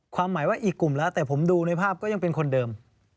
ความหมายว่าอีกกลุ่มแล้วแต่ผมดูในภาพก็ยังเป็นคนเดิม